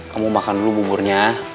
kamu makan dulu buburnya